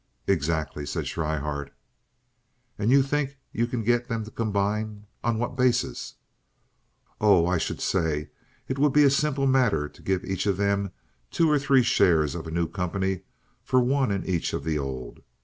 "Exactly," said Schryhart. "And you think you can get them to combine? On what basis?" "Oh, I should say it would be a simple matter to give each of them two or three shares of a new company for one in each of the old.